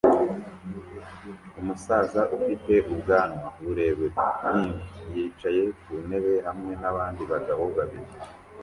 Umusaza ufite ubwanwa burebure bwimvi yicaye ku ntebe hamwe nabandi bagabo babiri